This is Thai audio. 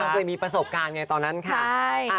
เคยมีประสบการณ์ไงตอนนั้นค่ะ